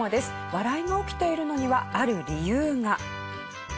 笑いが起きているのにはある理由が。